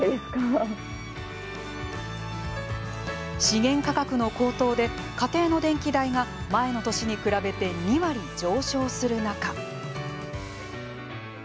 資源価格の高騰で家庭の電気代が、前の年に比べて２割上昇するなか。